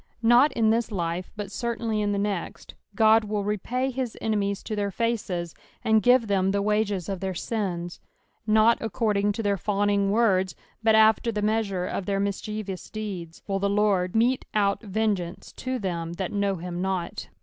Nut in this life, but certainly in the next, Ood will repay his enemies to their faces, aod give them the wages of their sins. Not accoraing to thnr fawning words, but after the measure of their mischievous deeds, will the Lord mete out vengeance to them that know him not.